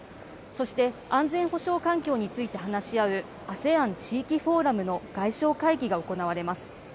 そして安全保障環境について話し合うＡＳＥＡＮ地域フォーラムの外相会議が行われます。